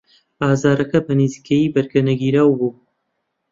ئازارەکە بەنزیکەیی بەرگەنەگیراو بوو.